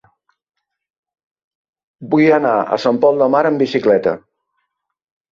Vull anar a Sant Pol de Mar amb bicicleta.